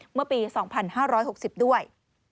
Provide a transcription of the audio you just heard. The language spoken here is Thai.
เมื่อปี๒๕๖๐ด้วย